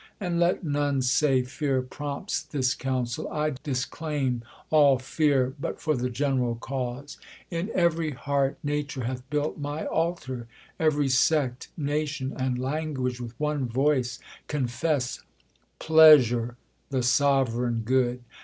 And let none say, Fear prompts this counsel;. 1 disclaim all fear But for th« §e»eral cause* *»%Mpry ibeai* 1 THE COLUMBIAN ORATOR, 2U Nature hath built my altar ; every sect, Nation and language with one voice confess Pleasure the sovereign good.